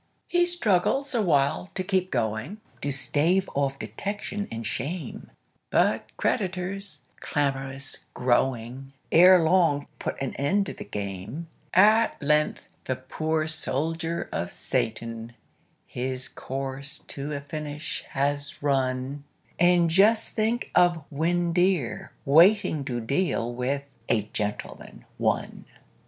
He struggles awhile to keep going, To stave off detection and shame; But creditors, clamorous growing, Ere long put an end to the game. At length the poor soldier of Satan His course to a finish has run And just think of Windeyer waiting To deal with "A Gentleman, One"!